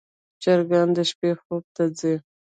چرګان د شپې خوب ته ځي.